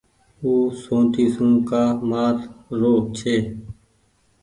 او سوٽي سون ڪآ مآر رو ڇي۔